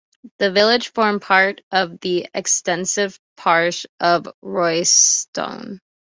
The village formed part of the extensive parish of Royston.